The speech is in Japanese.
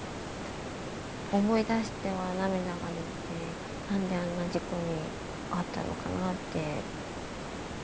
思い出しては涙が出てなんであんな事故に遭ったのかなって。